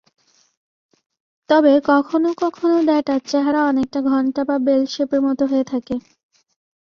তবে কখনো কখনও ডেটার চেহারা অনেকটা ঘন্টা বা বেল শেপের মত হয়ে থাকে।